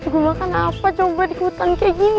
gua makan apa coba di hutan kayak gini